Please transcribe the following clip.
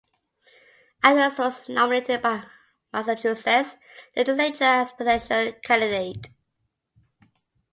Adams was nominated by Massachusetts legislature as presidential candidate.